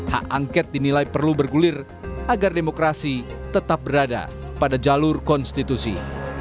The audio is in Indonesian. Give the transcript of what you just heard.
hak angket dinilai perlu bergulir agar demokrasi tetap berada pada jalur konstitusi